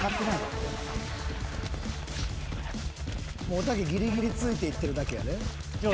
おたけぎりぎりついていってるだけやで。